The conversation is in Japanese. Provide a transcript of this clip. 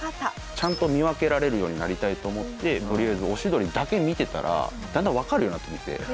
ちゃんと見分けられるようになりたいと思ってとりあえずオシドリだけ見てたらだんだんわかるようになってきて。